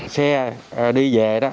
xe đi về đó